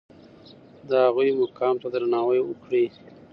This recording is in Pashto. د هغوی مقام ته درناوی وکړئ.